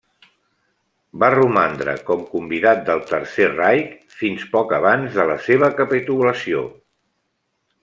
Va romandre com convidat del Tercer Reich fins poc abans de la seva capitulació.